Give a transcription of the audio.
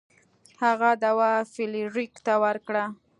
هغه دوا فلیریک ته ورکړه.